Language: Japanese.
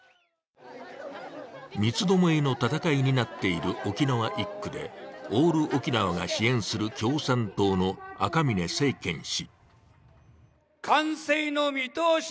三つどもえの戦いになっている沖縄１区でオール沖縄が支援する共産党の赤嶺政賢氏。